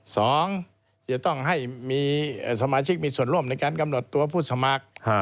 สองจะต้องให้มีสมาชิกมีส่วนร่วมในการกำหนดตัวผู้สมัคร